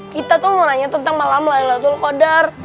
kita tuh mau nanya tentang malam laylatul qadar